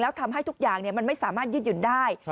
แล้วทำให้ทุกอย่างมันไม่สามารถยืดหยุ่นได้